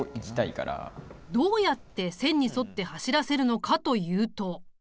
どうやって線に沿って走らせるのかというと。